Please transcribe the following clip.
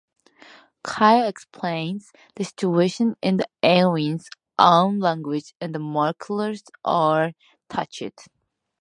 Kyle explains the situation in the aliens' own language, and the Marklar are touched.